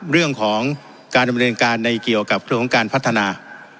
เรื่องของการดำเนินการในเกี่ยวกับเรื่องของการพัฒนา